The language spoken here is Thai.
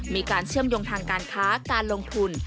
มีการเชื่อมโยงทางการค้าการลงทุน